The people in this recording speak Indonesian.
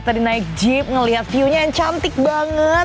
tadi naik jeep ngeliat view nya yang cantik banget